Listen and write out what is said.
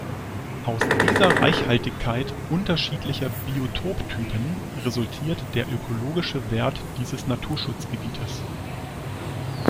Aus dieser Reichhaltigkeit unterschiedlicher Biotoptypen resultiert der ökologische Wert dieses Naturschutzgebietes.